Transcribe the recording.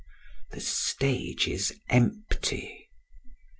The stage is empty.